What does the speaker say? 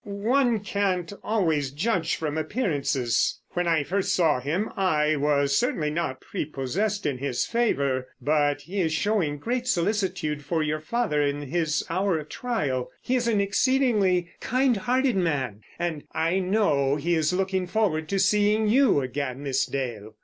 "One can't always judge from appearances. When I first saw him I was certainly not prepossessed in his favour. But he is showing great solicitude for your father in his hour of trial. He is an exceedingly kind hearted man, and—I know he is looking forward to seeing you again, Miss Dale."